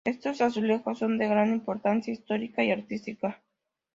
Estos azulejos son de gran importancia histórica y artística.